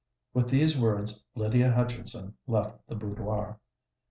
With these words Lydia Hutchinson left the boudoir.